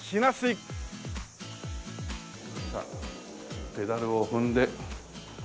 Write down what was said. さあペダルを踏んではい。